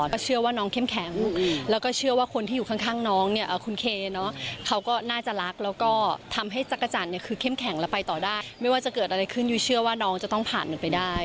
ก็เชื่อว่าน้องเข้มแข็งแล้วก็เชื่อว่าคนที่อยู่ข้างน้องเนี่ยคุณเคเขาก็น่าจะรักแล้วก็ทำให้จักรจันทร์เนี่ยคือเข้มแข็งแล้วไปต่อได้ไม่ว่าจะเกิดอะไรขึ้นยุ้ยเชื่อว่าน้องจะต้องผ่านมันไปได้